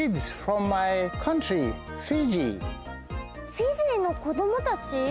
フィジーの子どもたち？